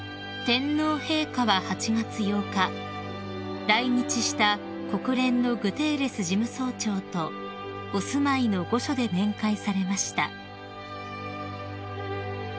［天皇陛下は８月８日来日した国連のグテーレス事務総長とお住まいの御所で面会されました］